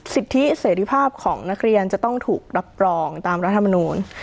สิทธิเสรีภาพของนักเรียนจะต้องถูกรับรองตามรัฐมนูล